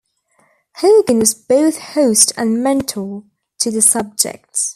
Hogan was both host and mentor to the subjects.